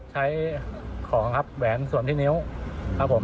ใช้ของครับแหวนส่วนที่นิ้วครับผม